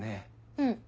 うん。